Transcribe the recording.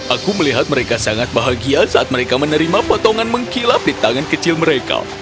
aku melihat mereka sangat bahagia saat mereka menerima potongan mengkilap di tangan kecil mereka